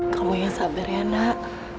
kamu yang sabar ya nak